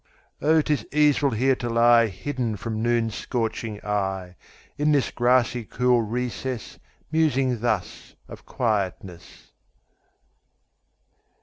Oh, 'tis easeful here to lieHidden from noon's scorching eye, In this grassy cool recessMusing thus of quietness.